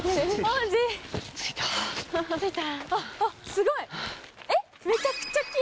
すごい。